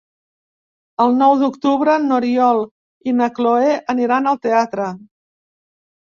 El nou d'octubre n'Oriol i na Cloè aniran al teatre.